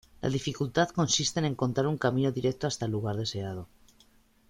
La dificultad consiste en encontrar un camino directo hasta el lugar deseado.